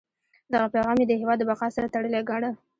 دغه پیغام یې د هیواد د بقا سره تړلی ګاڼه.